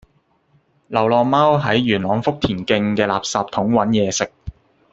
流浪貓喺元朗福田徑嘅垃圾桶搵野食